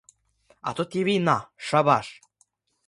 А тут і війна — шабаш!